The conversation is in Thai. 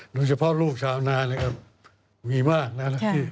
โดยเฉพาะลูกชาวนาเนี่ยก็มีมากนะ